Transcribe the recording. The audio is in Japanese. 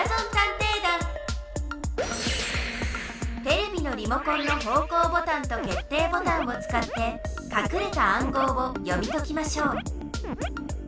テレビのリモコンの方向ボタンと決定ボタンをつかってかくれた暗号を読み解きましょう。